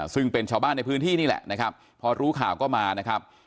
ซึ่งเป็นชาวบ้านในพื้นที่นี่แหละนะครับพอรู้ข่าวก็มานะครับ